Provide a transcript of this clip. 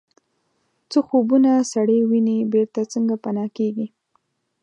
څه خوبونه سړی ویني بیرته څنګه پناه کیږي